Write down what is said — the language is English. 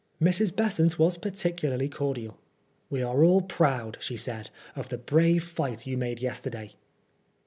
Mrs. Besant was par ticularly cordial. " We are all proud," she said, of the brave fight you made yesterday."